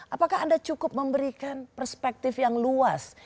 apakah anda cukup memberikan perspektif yang luas